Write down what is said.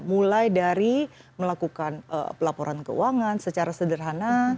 mulai dari melakukan pelaporan keuangan secara sederhana